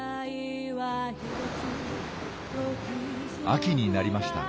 秋になりました。